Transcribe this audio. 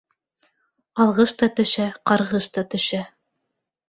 Алғыш та төшә, ҡарғыш та төшә.